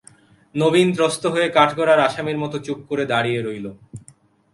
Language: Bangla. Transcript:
নবীন ত্রস্ত হয়ে কাঠগড়ার আসামির মতো চুপ করে দাঁড়িয়ে রইল।